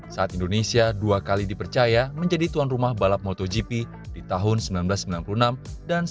saat indonesia dua kali dipercaya menjadi tuan rumah balap motogp di tahun seribu sembilan ratus sembilan puluh enam dan seribu sembilan ratus sembilan puluh